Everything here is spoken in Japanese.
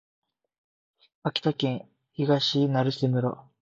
秋田県東成瀬村